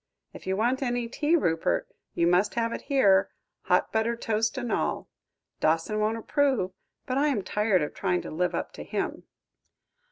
If you want any tea, Rupert, you must have it here hot buttered toast and all. Dawson won't approve, but I am tired of trying to live up to him."